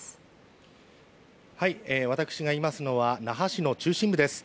私がいますのは那覇市の中心部です。